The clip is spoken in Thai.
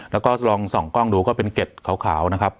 แล้วก็ลองส่องกล้องดูก็เป็นเก็ดขาวนะครับ